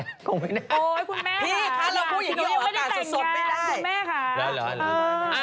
โอ้ยคุณแม่ค่ะยังไม่ได้แต่งงานคุณแม่ค่ะพี่ค่ะเราพูดอย่างนี้ออกอาการสะสดไม่ได้